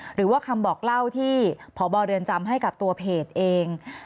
หรือว่าคำบอกเล่าที่พบเรือนจำให้กับตัวเพจเอง